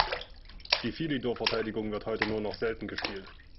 Die Philidor-Verteidigung wird heute nur noch selten gespielt.